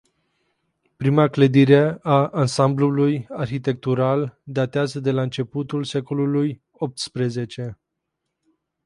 Prima clădire a ansambului arhitectural datează de la începutul secolului optsprezece.